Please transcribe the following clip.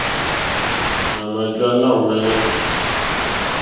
Nà mà jǎ náòmɛ́nɛ́.